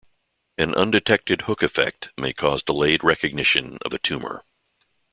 An undetected hook effect may cause delayed recognition of a tumor.